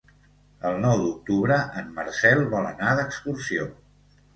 El nou d'octubre en Marcel vol anar d'excursió.